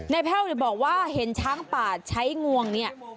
แพ่วบอกว่าเห็นช้างป่าใช้งวงเนี่ย